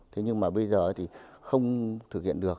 thế nhưng mà bây giờ thì không thực hiện được